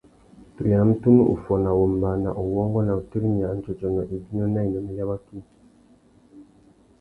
Tu yānamú tunu uffôna, wombāna, uwôngô na utirimiya andjôdjônô, ibinô na inúnú ya waki.